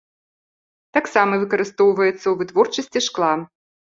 Таксама выкарыстоўваецца ў вытворчасці шкла.